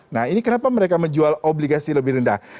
nah ini kenapa mereka menjual obligasi lebih rendah